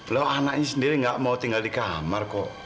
lo anaknya sendiri enggak mau tinggal di kamar kok